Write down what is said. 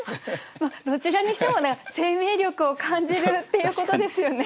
どちらにしても生命力を感じるっていうことですよね。